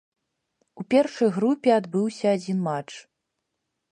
У першай групе адбыўся адзін матч.